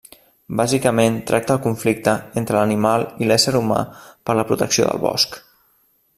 Bàsicament tracta el conflicte entre l'animal i l'ésser humà per la protecció del bosc.